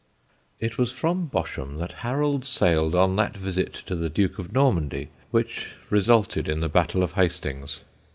It was from Bosham that Harold sailed on that visit to the Duke of Normandy which resulted in the battle of Hastings.